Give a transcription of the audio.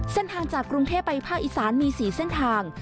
เส้นทางจากกรุงเทพไปภาคอีสานมี๔เส้นทาง